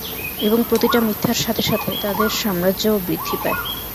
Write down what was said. এবং প্রতিটা মিথ্যার সাথে সাথে, তাদের সাম্রাজ্যও বৃদ্ধি পায়।